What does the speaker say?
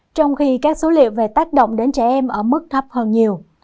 trong khi các số liệu về tác động đến trẻ em ở mức thấp hơn nhiều